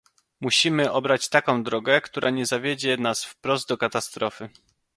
Musimy obrać taką drogę, która nie zawiedzie nas wprost do katastrofy